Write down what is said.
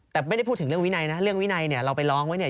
แต่ไม่ได้พูดถึงเรื่องวินัยนะเรื่องวินัยเนี่ยเราไปร้องไว้เนี่ย